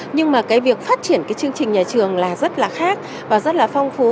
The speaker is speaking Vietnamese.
nhưng mà cái việc phát triển cái chương trình nhà trường là rất là khác và rất là phong phú